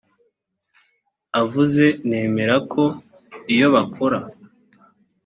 avuze nemera ko iyo bakora